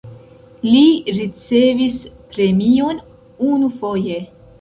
Li ricevis premion unufoje.